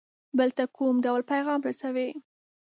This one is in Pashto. بل ته کوم ډول پیغام رسوي.